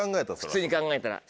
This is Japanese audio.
普通に考えたら。